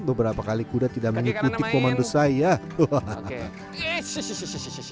beberapa kali kuda tidak berjalan kita tidak bisa berjalan dengan kemampuan ini